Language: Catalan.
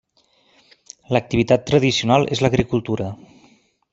L'activitat tradicional és l'agricultura.